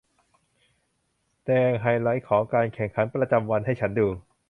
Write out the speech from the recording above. แสดงไฮไลท์ของการแข่งขันประจำวันให้ฉันดู